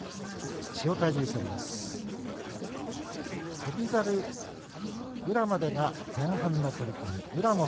翔猿と宇良までが前半の取組。